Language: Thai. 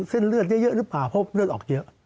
เส้นเลือดเยอะหรือเปล่าเพราะเลือดออกเยอะ